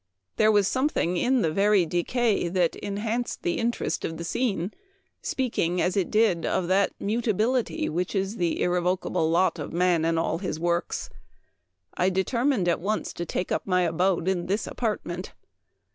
... There was something in the very decay that enhanced the interest of the scene, speaking, as it did, of that mutability which is the irrevocable lot of man and all his works. ... I determined at once to take up my abode in this apartment.